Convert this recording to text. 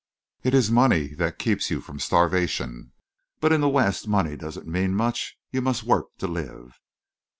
It is money that keeps you from starvation. But in the West money doesn't mean much. You must work to live."